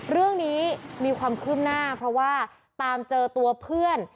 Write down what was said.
เรื่องนี้มีความคืบหน้าเพราะว่าตามเจอตัวเพื่อน